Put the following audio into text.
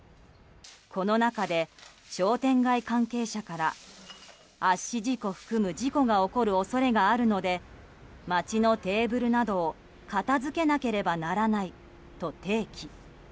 この中で、商店街関係者から圧死事故含む事故が起こる恐れがあるので街のテーブルなどを片付けなければならないと提起。